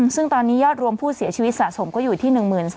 ซึ่งตอนนี้ยอดรวมผู้เสียชีวิตสะสมก็อยู่ที่๑๓๐๐